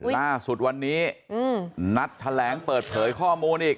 ล่าสุดวันนี้นัดแถลงเปิดเผยข้อมูลอีก